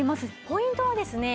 ポイントはですね